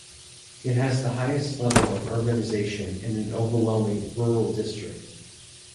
It has the highest level of urbanisation in an overwhelming rural district.